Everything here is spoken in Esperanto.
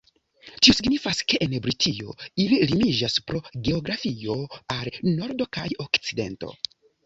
Tio signifas ke en Britio ili limiĝas pro geografio al nordo kaj okcidento.